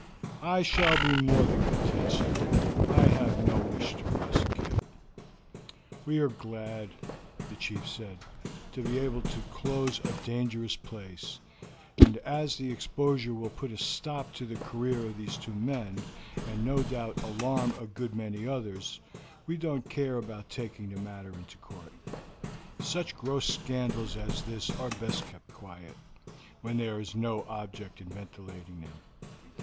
"I shall be more than content, sir; I have no wish to prosecute." "We are glad," the chief said, "to be able to close a dangerous place; and as the exposure will put a stop to the career of these two men, and no doubt alarm a good many others, we don't care about taking the matter into court. Such gross scandals as this are best kept quiet, when there is no object in ventilating them.